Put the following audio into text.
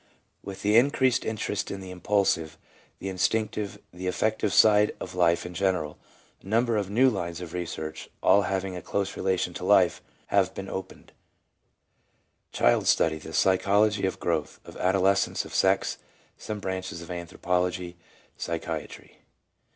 With the increased interest in the impulsive, the instinctive, the affective side of life in general, a number of new lines of research, all having a close relation to life, have been opened: Child study, the psychology of growth, of adoles cence, of sex; some branches of anthropology, psychi atry.